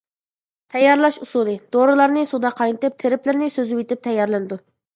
تەييارلاش ئۇسۇلى: دورىلارنى سۇدا قاينىتىپ، تىرىپلىرىنى سۈزۈۋېتىپ تەييارلىنىدۇ.